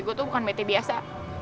gue tuh bukan bt biasa